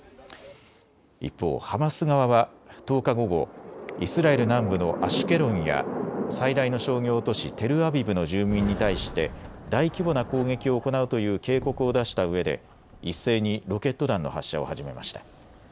一方、ハマス側は１０日午後、イスラエル南部のアシュケロンや最大の商業都市テルアビブの住民に対して大規模な攻撃を行うという警告を出したうえで一斉にロケット弾の発射を始めました。